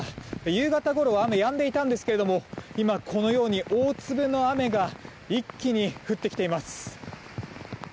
夕方ごろ雨やんでいたんですけれども今、このように大粒の雨が一気に降ってきています。